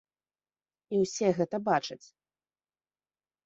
І ўсе гэта бачаць.